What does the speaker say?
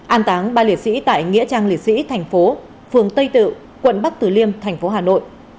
an táng ba liệt sĩ tại nghĩa trang liệt sĩ tp phường tây tự quận bắc tử liêm tp hà nội